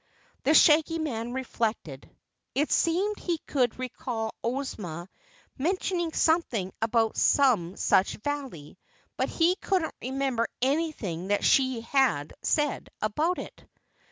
The Shaggy Man reflected. It seemed he could recall Ozma mentioning something about some such valley, but he couldn't remember anything that she had said about it.